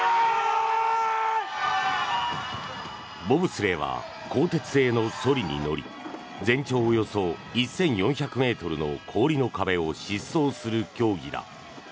ボブスレーは鋼鉄製のそりに乗り全長およそ１４００ｍの氷の壁を疾走する競技だ。